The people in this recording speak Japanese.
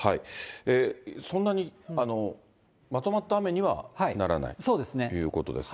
そんなにまとまった雨にはならないということですね。